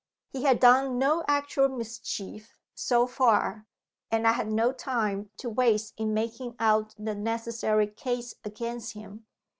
He had done no actual mischief, so far; and I had no time to waste in making out the necessary case against him.